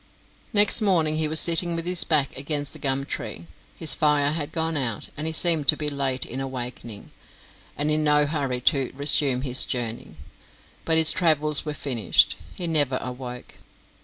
Next morning he was sitting with his back against the gum tree. His fire had gone out, and he seemed to be late in awaking, and in no hurry to resume his journey. But his travels were finished; he never awoke.